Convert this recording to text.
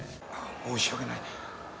申し訳ない。